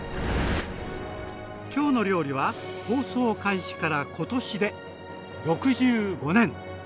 「きょうの料理」は放送開始から今年で６５年。